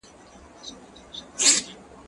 زه اوس د کتابتون کتابونه لوستل کوم!؟